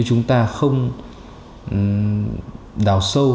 chúng ta cũng đào sâu